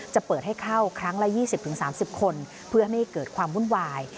จะเปิดให้เข้าครั้งละ๒๐๓๐คนเพื่อให้เกิดความวุ่นวาย